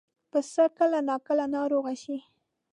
پسه کله ناکله ناروغه شي.